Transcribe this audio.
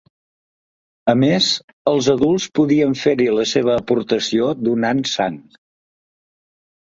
A més, els adults podien fer-hi la seva aportació donant sang.